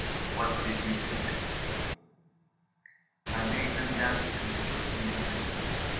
What did you do to the people? "I made them dance and they put me in prison.